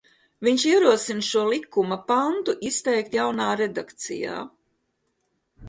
Viņš ierosina šo likuma pantu izteikt jaunā redakcijā.